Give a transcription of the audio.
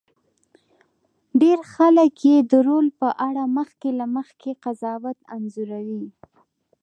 ډېر خلک یې د رول په اړه مخکې له مخکې قضاوت انځوروي.